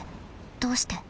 どうして？